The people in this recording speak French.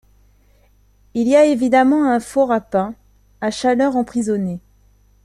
Il y a évidemment un four à pain, à chaleur emprisonnée.